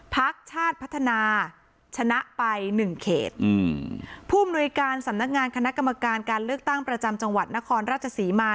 พักชาติพัฒนาชนะไปหนึ่งเขตอืมผู้อำนวยการสำนักงานคณะกรรมการการเลือกตั้งประจำจังหวัดนครราชศรีมา